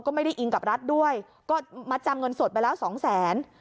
ก็ไม่ได้อิงกับรัฐด้วยก็มัดจำเงินสดไปแล้วสองแสน